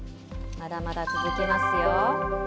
まだまだ続きますよ。